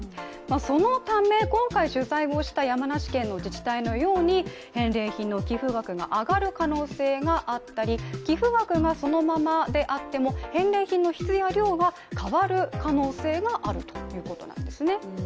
そのため、今回取材した山梨県の自治体のように返礼品の寄付額が上がる可能性があったり、寄付額がそのままであっても、返礼品の質や量は変わる可能性があるということなんですね。